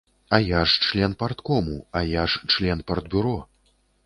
А я ж член парткому, а я ж член партбюро.